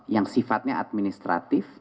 yang sifatnya administrasi